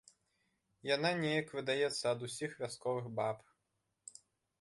Яна неяк выдаецца ад усіх вясковых баб.